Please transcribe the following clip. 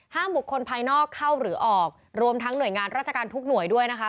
บุคคลภายนอกเข้าหรือออกรวมทั้งหน่วยงานราชการทุกหน่วยด้วยนะคะ